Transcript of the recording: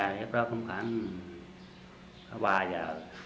hết đó khoảng ba giờ mới qua một đường tôi giấu vô